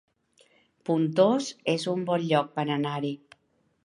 Pontós es un bon lloc per anar-hi